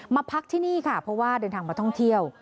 มาพักที่นี่ค่ะเพราะว่าเดินทางมาท่องเที่ยว